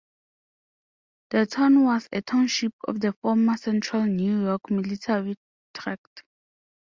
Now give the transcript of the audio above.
The town was a township of the former Central New York Military Tract.